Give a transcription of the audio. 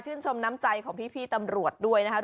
ชื่นชมน้ำใจของพี่ตำรวจด้วยนะคะ